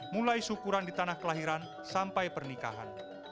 mulai syukuran di tanah kelahiran sampai pernikahan